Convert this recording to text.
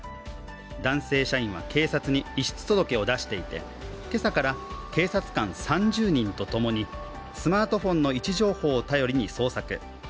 男性社員は、警察に遺失届を出していて、今朝から警察官３０人とともにスマートフォンの位置情報を頼りに捜索。